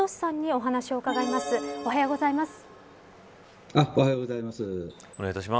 おはようございます。